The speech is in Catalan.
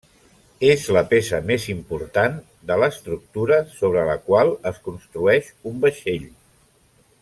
És la peça més important de l'estructura sobre la qual es construeix un vaixell.